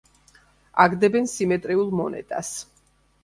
აგდებენ სიმეტრიულ მონეტას.